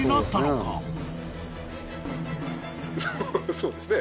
そうですね。